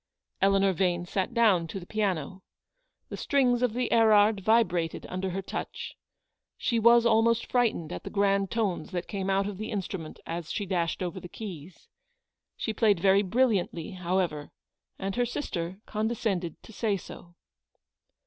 Eleanor Vane sat down to the piano. The strings of the Erard vibrated under her touch. She was almost frightened at the grand tones that came out of the instrument as she dashed over the keys. She played very brilliantly, however, and her sister condescended to say so.